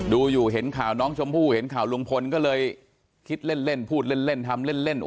ดูอยู่เห็นข่าวน้องชมพู่เห็นข่าวลุงพลก็เลยคิดเล่นพูดเล่นทำเล่น